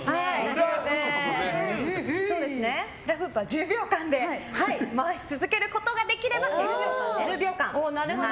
フラフープは１０秒間で回し続けることができれば成功と。